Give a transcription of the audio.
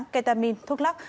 ketamin thuốc lắc